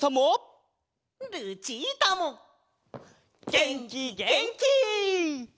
げんきげんき！